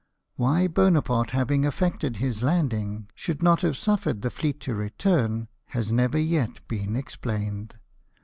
Why Bonaparte, having effected his landing, should not have suffered the fleet to return, has never yet been explained.